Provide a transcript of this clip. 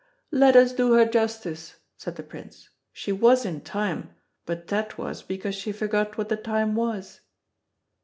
"Let us do her justice," said the Prince. "She was in time, but that was because she forgot what the time was."